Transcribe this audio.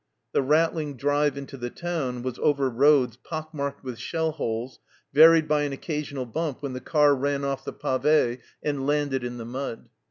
The rattling drive into the town was over roads pock marked with shell holes, varied by an occasional bump when the car ran off the pave and WAITING FOR ATTACK 195 landed in the mud.